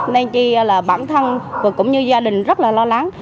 nên kia là bản thân và cũng như gia đình rất là lo lắng